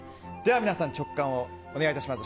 皆さん直感をお願いいたします。